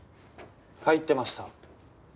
入ってました。